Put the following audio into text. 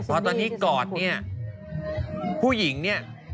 พอตอนนี้กอดเนี่ยผู้หญิงเนี่ย